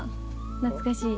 懐かしい。